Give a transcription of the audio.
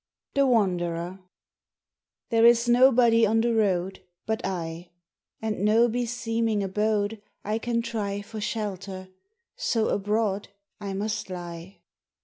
THE WANDERER THERE is nobody on the road But I, And no beseeming abode I can try For shelter, so abroad I must lie.